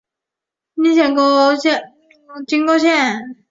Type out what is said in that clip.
金沟线